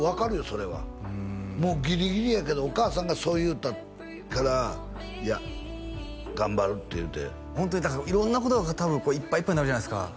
それはもうギリギリやけどお母さんがそう言うたから「いや頑張る」って言ってホントにだから色んなことが多分こういっぱいいっぱいになるじゃないですか